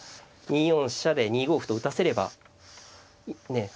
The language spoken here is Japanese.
２四飛車で２五歩と打たせればねえ